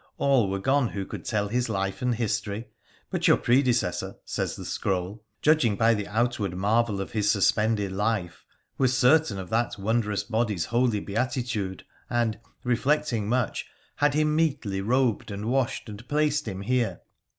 All were gone who could tell his life and history, but your predecessor, says the scroll, judging by the outward marvel of his suspended life, was certain of that wondrous body's holy beatitude, and, reflecting much, had him meetly robed and washed, and placed him here.